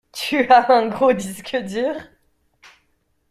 Tu as un gros disque dur?